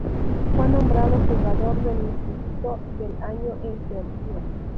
Fue nombrado jugador de instituto del año en Georgia.